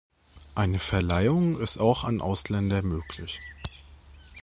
Eine Verleihung ist auch an Ausländer möglich.